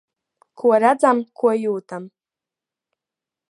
Ko redzam, ko jūtam.